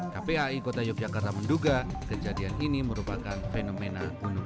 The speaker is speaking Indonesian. kpai kota yogyakarta menduga kejadian ini merupakan fenomena bunuh